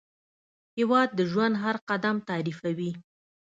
هېواد د ژوند هر قدم تعریفوي.